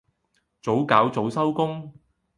早搞早收工